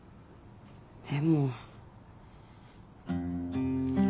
でも。